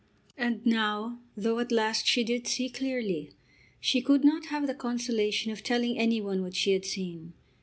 And now, though at last she did see clearly, she could not have the consolation of telling any one what she had seen.